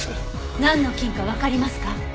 なんの菌かわかりますか？